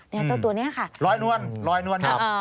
เนี่ยตัวนี้ค่ะร้อยนวนครับ